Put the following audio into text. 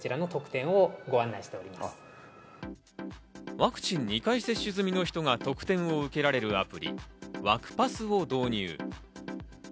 ワクチン２回接種済みの人が特典を受けられるアプリ、ワクパスを導入。